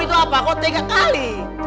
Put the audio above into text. itu apa kok tiga kali